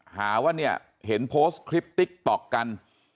หาว่าเนี่ยเห็นโพสต์คลิปติ๊กต๊อกกัน